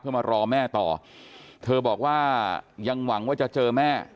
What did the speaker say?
เพื่อมารอแม่ต่อเธอบอกว่ายังหวังว่าจะเจอแม่